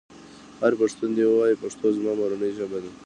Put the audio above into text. هر پښتون دې ووايي پښتو زما مورنۍ ژبه ده.